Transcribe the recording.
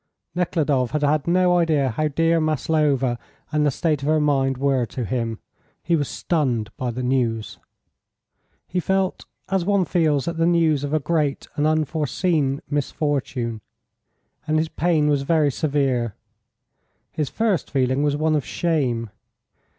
Nekhludoff had had no idea how near Maslova and the state of her mind were to him. He was stunned by the news. He felt as one feels at the news of a great and unforeseen misfortune, and his pain was very severe. His first feeling was one of shame.